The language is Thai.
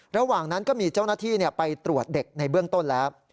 ระหว่างนั้นก็มีเจ้าหน้าที่ไปตรวจเด็กในเบื้องต้นแล้ว